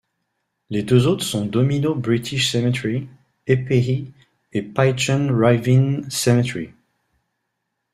Les deux autres sont Domino British Cemetery, Épehy et Pigeon Ravine Cemetery.